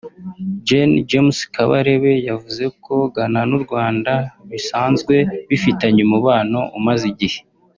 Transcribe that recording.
Gen James Kabarebe yavuze ko Ghana n’u Rwanda bisanzwe bifitanye umubano umaze igihe